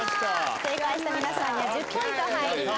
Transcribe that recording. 正解した皆さんには１０ポイント入ります。